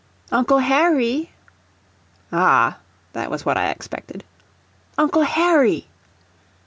"Uncle Harry!" Ah, that was what I expected! "Uncle Harry!"